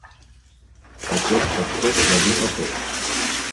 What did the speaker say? Потек под ток воды поток.